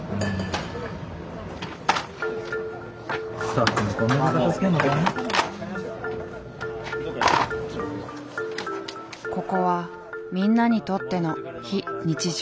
やっぱりここはみんなにとっての非日常。